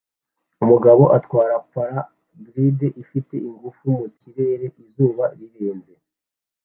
Umugabo atwara para-glider ifite ingufu mu kirere izuba rirenze